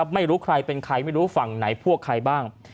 ไม่รู้ใครเป็นใครไม่รู้ฝั่งไหนพวกใครบ้าง